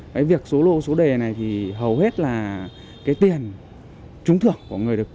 cái việc số lô số đề này thì hầu hết là cái tiền trúng thưởng của người được